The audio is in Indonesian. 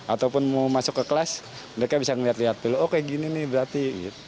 ataupun mau masuk ke kelas mereka bisa melihat lihat oh kayak gini nih berarti